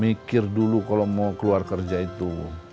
mikir dulu kalau mau keluar kerja itu